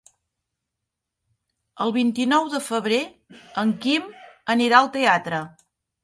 El vint-i-nou de febrer en Quim anirà al teatre.